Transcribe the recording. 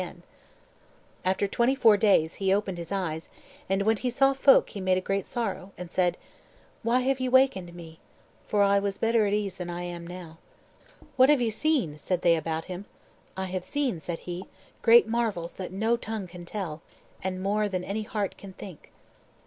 And after twenty four days he opened his eyes; and when he saw folk he made great sorrow, and said, "Why have ye wakened me? for I was better at ease than I am now." "What have ye seen?" said they about him. "I have seen," said he, "great marvels that no tongue can tell, and more than any heart can think."